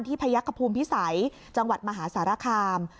พยักษภูมิพิสัยจังหวัดมหาสารคาม